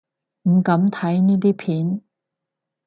唔敢睇呢啲片